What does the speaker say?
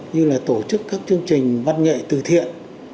như là tổ chức các chương trình văn nghệ từ thiện